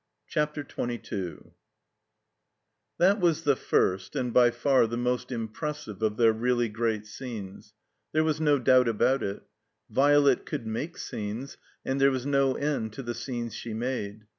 CHAPTER XXII THAT was the first and by far the most impres sive of their really great scenes. There was no doubt about it, Violet could make scenes, and there was no end to the scenes she made.